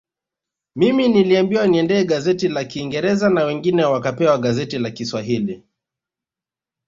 Mimi niliambiwa niende gazeti la kingereza na wengine wakapewa gazeti la kishwahili